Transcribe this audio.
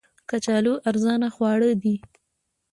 کچالو ارزانه خواړه دي